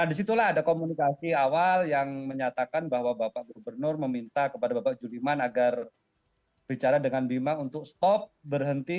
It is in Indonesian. nah disitulah ada komunikasi awal yang menyatakan bahwa bapak gubernur meminta kepada bapak juliman agar bicara dengan bima untuk stop berhenti